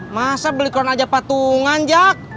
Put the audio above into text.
masa beli koran aja patungan jak